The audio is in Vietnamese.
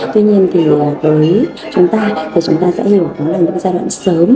tuy nhiên thì với chúng ta thì chúng ta sẽ hiểu nó là những cái giai đoạn sớm